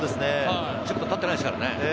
１０分たってないですからね。